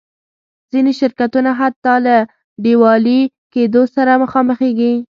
ځینې شرکتونه حتی له ډیوالي کېدو سره مخامخېږي.